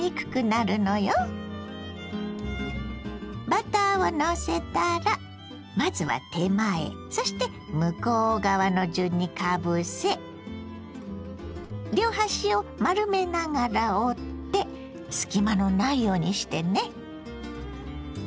バターをのせたらまずは手前そして向こう側の順にかぶせ両端を丸めながら折って隙間のないようにしてね。